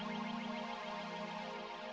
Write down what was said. jadi dari mana arrogant market ini telah pingsik